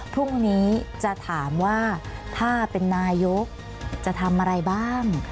พรุ่งนี้จะถามว่าถ้าเป็นนายกจะทำอะไรบ้าง